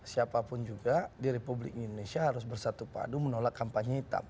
siapapun juga di republik indonesia harus bersatu padu menolak kampanye hitam